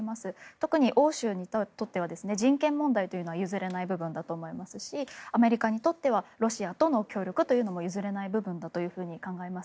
特に欧州にとっては人権問題というのは譲れない部分だと思いますしアメリカにとってはロシアとの協力というのも譲れない部分だと考えます。